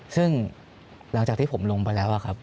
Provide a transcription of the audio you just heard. ซึ่งหลังจากที่ผมลงไปแล้วครับ